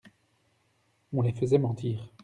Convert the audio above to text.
On les faisait mentir.